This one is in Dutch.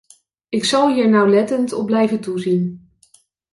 Ik zal hier nauwlettend op blijven toezien.